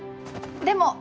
でも。